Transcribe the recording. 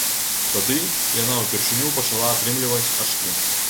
Тады яна ўпершыню пачала атрымліваць ачкі.